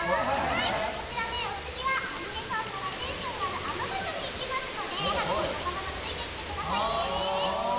こちらお次はアニメファンならテンションが上がるあの場所に行きますのでハグにまたついてきてください。